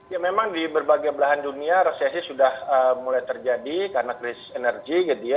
ya memang di berbagai belahan dunia resesi sudah mulai terjadi karena krisis energi gitu ya